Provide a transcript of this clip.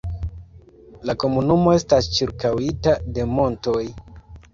La komunumo estas ĉirkaŭita de montoj.